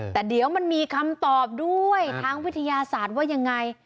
แต่เดี๋ยวมันมีคำตอบด้วยทางวิทยาศาสตร์ว่ายังไง